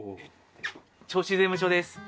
銚子税務署です。